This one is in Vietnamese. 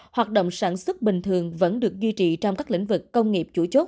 hoạt động sản xuất bình thường vẫn được duy trì trong các lĩnh vực công nghiệp chủ chốt